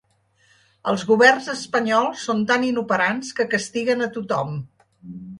Els governs espanyols són tan inoperants que castiguen a tothom.